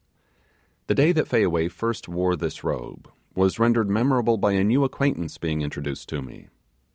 The day that Fayaway first wore this robe was rendered memorable by a new acquaintance being introduced to me.